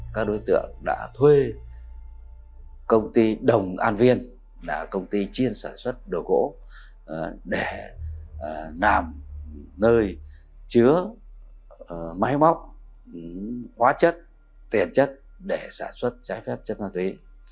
các đối tượng đã thuê công ty đồng an viên là công ty chiên sản xuất đồ gỗ để làm nơi chứa máy móc hóa chất tiền chất để sản xuất trái phép chất ma túy